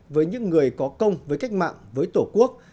với những người có công với cách mạng với tổ quốc